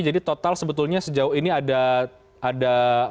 jadi total sebetulnya sejauh ini ada tiga calon kepala daerah